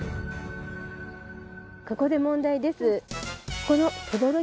ここで問題です。